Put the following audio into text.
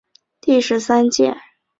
第十三届